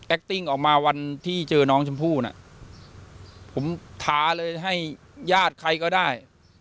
ติ้งออกมาวันที่เจอน้องชมพู่น่ะผมท้าเลยให้ญาติใครก็ได้